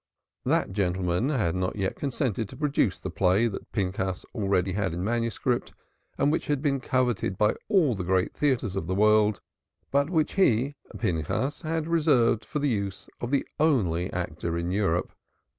That gentleman had not yet consented to produce the play that Pinchas had ready in manuscript and which had been coveted by all the great theatres in the world, but which he, Pinchas, had reserved for the use of the only actor in Europe.